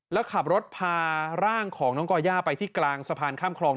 แล้วขับรถพาร่างของน้องก่อย่าไปที่กลางสะพานข้ามคลอง